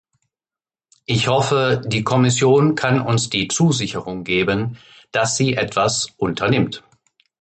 Ich hoffe, die Kommission kann uns die Zusicherung geben, dass sie etwas unternimmt.